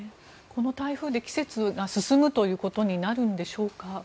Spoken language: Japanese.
この台風で季節が進むということになるんでしょうか。